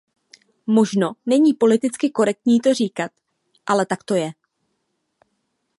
Možno není politicky korektní to říkat, ale tak to je.